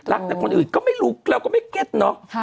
คนอื่นก็ไม่รู้เราก็ไม่เก็ตเนอะ